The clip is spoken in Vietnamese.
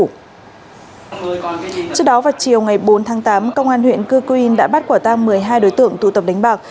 trước đó vào chiều ngày bốn tháng tám công an huyện cư quyên đã bắt quả tang một mươi hai đối tượng tụ tập đánh bạc